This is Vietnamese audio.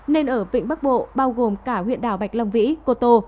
nên ở vịnh bắc bộ bao gồm cả huyện đảo bạch long vĩ cô tô